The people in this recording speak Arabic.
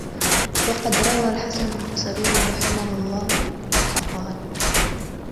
وَقَدْ رَوَى الْحَسَنُ الْبَصْرِيُّ رَحِمَهُ اللَّهُ قَالَ